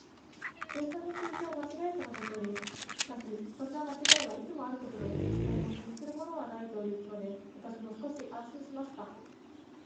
計算の数字を間違えたのだそうです。しかし、そんな間違いはいつもあることで、誰も気にするものはないというので、私も少し安心しました。